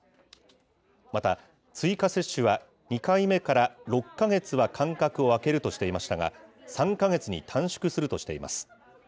また追加接種は、２回目から６か月は間隔を空けるとしていましたが、３か月に短縮するとしています。